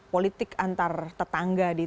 politik antar tetangga di